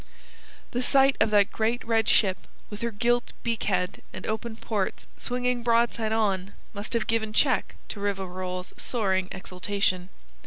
The sight of that great red ship with her gilt beak head and open ports swinging broadside on must have given check to Rivarol's soaring exultation.